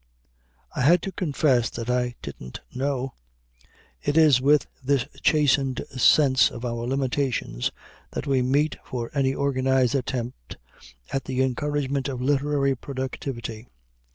I had to confess that I didn't know. It is with this chastened sense of our limitations that we meet for any organized attempt at the encouragement of literary productivity.